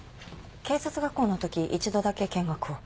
警察学校のとき一度だけ見学を。